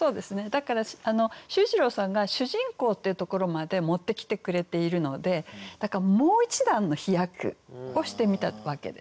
だから秀一郎さんが「主人公」っていうところまで持ってきてくれているのでだからもう一段の飛躍をしてみたわけですね。